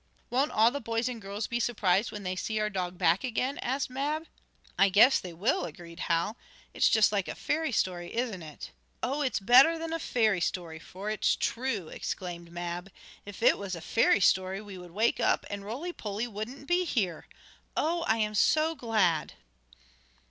"Won't all the boys and girls be surprised when they see our dog back again?" asked Mab. "I guess they will," agreed Hal. "It is just like a fairy story; isn't it?" "Oh, it's better than a fairy story, for it's true!" exclaimed Mab. "If it was a fairy story we would wake up and Roly Poly wouldn't be here. Oh! I am so glad!"